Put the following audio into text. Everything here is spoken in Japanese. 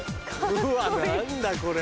うわ何だこれ。